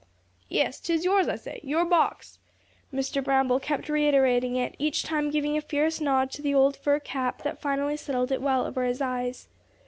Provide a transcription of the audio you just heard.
"Yes, 'tis yours, I say, your box." Mr. Bramble kept reiterating it, each time giving a fierce nod to the old fur cap that finally settled it well over his eyes.